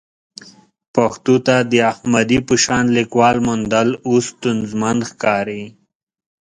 پښتو ته د احمدي په شان لیکوال موندل اوس ستونزمن ښکاري.